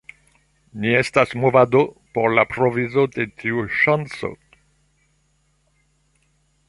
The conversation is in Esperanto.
Ni estas movado por la provizo de tiu ŝanco.